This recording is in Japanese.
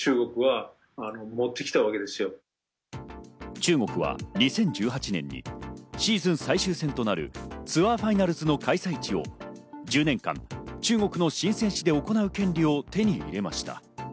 中国は２０１８年にシーズン最終戦となるツアーファイナルズの開催地を１０年間、中国のシンセン市で行える権利を手に入れました。